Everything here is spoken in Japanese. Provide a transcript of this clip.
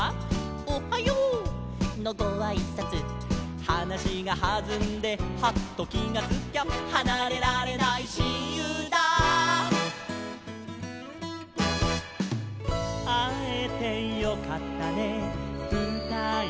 「おはよう！のごあいさつ」「はなしがはずんでハッときがつきゃ」「はなれられないしんゆうだ」「あえてよかったねうたいましょう」